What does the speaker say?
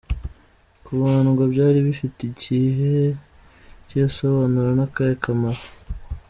Kubandwa byari bifite ikihe gisobanuro n’akahe kamaro?.